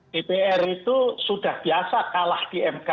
dpr itu sudah biasa kalah di mk